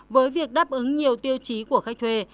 với việc đáp ứng nhiều tiêu chí của khách thuê